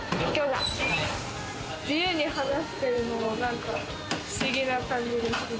自由に話してるのもなんか不思議な感じがする。